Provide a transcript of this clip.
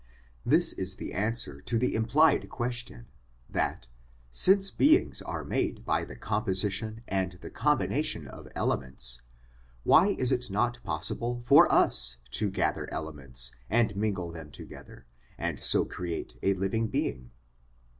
This is the answer to the implied question, that, since beings are made by the com position and the combination of elements, why is it not possible for us to gather elements and mingle them together, and so create a living being.